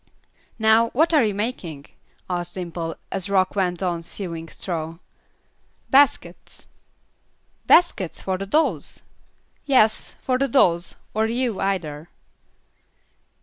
"Now what are you making?" asked Dimple, as Rock went on sewing straw. "Baskets." "Baskets, for the dolls?" "Yes, for the dolls, or you either."